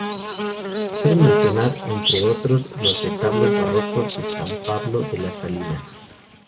Se pueden mencionar, entre otros, los retablos barrocos de San Pablo de las Salinas.